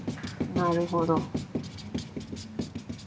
なるほど。